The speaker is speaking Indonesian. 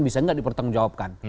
bisa tidak dipertanggungjawabkan